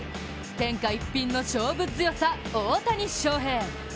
天下一品の勝負強さ、大谷翔平。